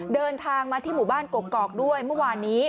เดินทางมาที่หมู่บ้านกกอกด้วยเมื่อวานนี้